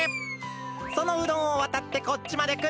そのうどんをわたってこっちまでくるのだ。